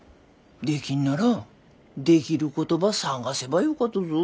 できんならできることば探せばよかとぞ。